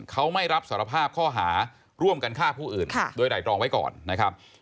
เขาไม่รับสารภาพข้อหาร่วมกันฆ่าผู้อื่นโดยไหร่ตรองไว้ก่อนนะครับ